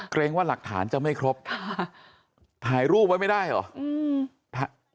เกรงว่าหลักฐานจะไม่ครบถ่ายรูปไว้ไม่ได้เหรออืม